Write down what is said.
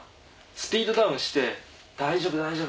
スピードダウンして「大丈夫大丈夫」。